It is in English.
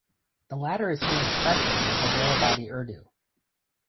The latter is seen especially in Hyderabadi Urdu.